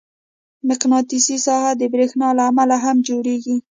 مقناطیسي ساحه د برېښنا له امله هم جوړېږي.